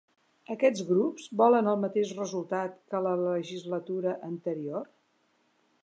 Aquests grups volen el mateix resultat que a la legislatura anterior?